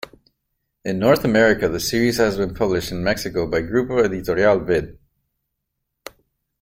In North America the series has been published in Mexico by Grupo Editorial Vid.